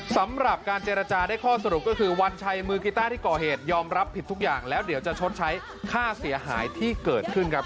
สำหรับการเจรจาได้ข้อสรุปก็คือวันชัยมือกีต้าที่ก่อเหตุยอมรับผิดทุกอย่างแล้วเดี๋ยวจะชดใช้ค่าเสียหายที่เกิดขึ้นครับ